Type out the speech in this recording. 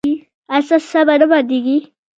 ایا ستاسو ساه به نه بندیږي؟